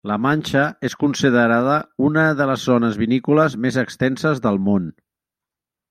La Manxa és considerada unes de les zones vinícoles més extenses del món.